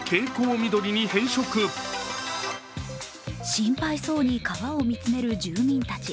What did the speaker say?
心配そうに川を見つめる住民たち。